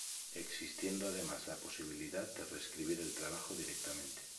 Existiendo, además, la posibilidad de reescribir el trabajo directamente.